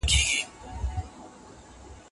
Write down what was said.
د بارانه سوال مې قبول شو